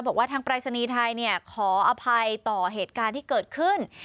บอกว่าทางปรายศนีย์ไทยขออภัยต่อเหตุการณ์ที่เกิดขึ้น